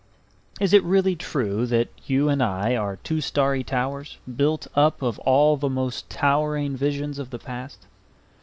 Is it really true that you and I are two starry towers built up of all the most towering visions of the past?